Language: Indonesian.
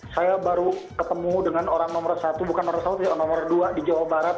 saya baru ketemu dengan orang nomor satu bukan nomor satu orang nomor dua di jawa barat